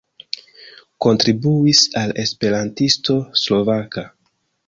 Kontribuis al Esperantisto Slovaka.